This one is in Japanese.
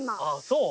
そう？